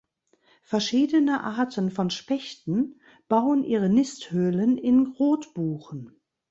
Verschiedene Arten von Spechten bauen ihre Nisthöhlen in Rotbuchen.